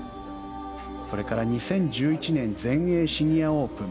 それから２０１１年全英シニアオープン